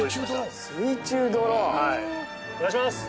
お願いします。